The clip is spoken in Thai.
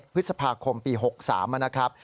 พฤษภาคมปี๖๓นะครับ